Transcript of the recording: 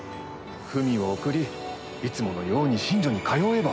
文を送りいつものように寝所に通えば。